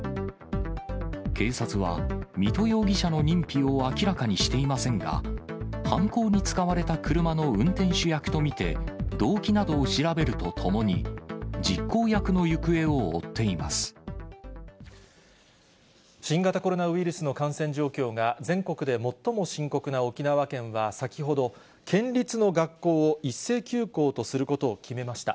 警察は、水戸容疑者の認否を明らかにしていませんが、犯行に使われた車の運転手役と見て、動機などを調べるとともに、新型コロナウイルスの感染状況が、全国で最も深刻な沖縄県は先ほど、県立の学校を一斉休校とすることを決めました。